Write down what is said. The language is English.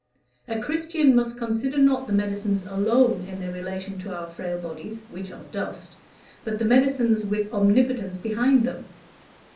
A Christian must consider not the medicines alone in their relation to our frail bodies (which are dust), but the medicines with Omnipotence behind them.